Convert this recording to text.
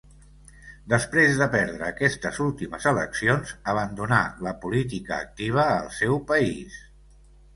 Després de perdre aquestes últimes eleccions abandonà la política activa al seu país.